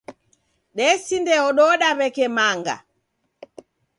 Desindaododa w'eke manga.